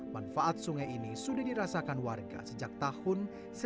manfaat sungai ini sudah dirasakan warga sejak tahun seribu sembilan ratus sembilan puluh